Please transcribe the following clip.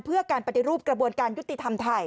เพื่อการปฏิรูปกระบวนการยุติธรรมไทย